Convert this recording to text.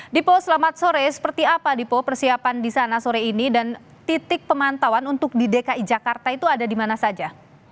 dipo selamat sore seperti apa dipo persiapan di sana sore ini dan titik pemantauan untuk di dki jakarta itu ada di mana saja